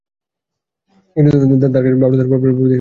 তার কাছ থেকে বাউল দর্শন, বাউল গান প্রভৃতির শিক্ষা নেন।